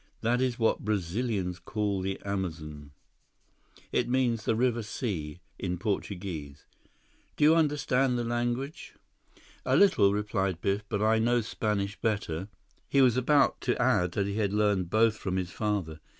"That is what Brazilians call the Amazon. It means 'The River Sea' in Portuguese. Do you understand the language?" "A little," replied Biff, "but I know Spanish better." He was about to add that he had learned both from his father.